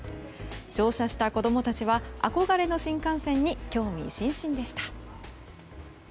乗車した子供たちは憧れの新幹線に興味津々でした。